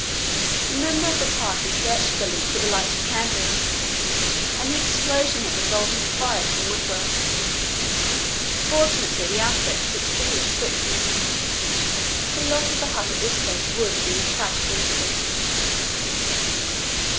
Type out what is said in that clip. A member of the party searched for the leak with a lighted candle, and the explosion that resulted fired some woodwork. Fortunately the outbreak was extinguished quickly. The loss of the hut at this stage would have been a tragic incident.